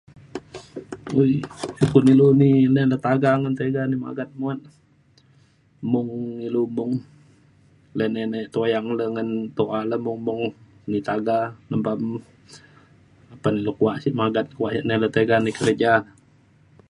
kun ilu ni nai na taga ngan tiga nai magat muat mung ilu mung ley ne ek ek tuyang le ngan tu’a le mung mung nai taga nempam apan lu kuak sik magat kuak ina le tiga nai kerja